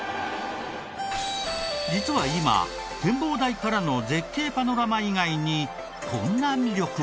実は今展望台からの絶景パノラマ以外にこんな魅力も。